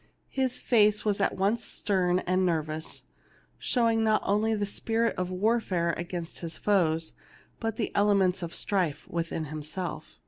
His face was at once stern and nervous, showing not only the spirit of warfare against his foes, but the elements of strife within himself.